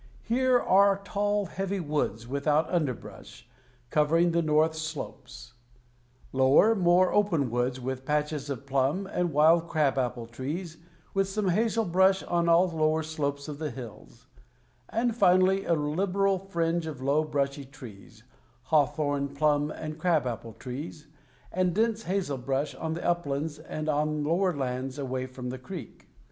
Here are tall, heavy woods, without underbrush, covering the north slopes; lower, more open woods with patches of plum, and wild crab apple trees, with some hazel brush on all lower slopes of the hills; and finally a liberal fringe of low, brushy trees hawthorn, plum and crab apple trees and dense hazel brush on the uplands and on lower lands away from the creek.